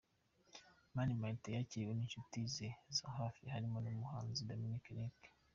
Mani Martin yakiriwe n'inshuti ze za hafi harimo n'umuhanzi Dominic Nic.